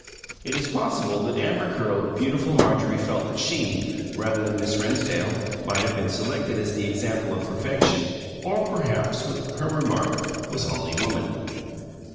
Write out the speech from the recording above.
It is possible that amber curled, beautiful Marjorie felt that she, rather than Miss Rennsdale, might have been selected as the example of perfection or perhaps her remark was only woman.